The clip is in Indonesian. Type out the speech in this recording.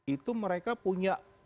itu mereka punya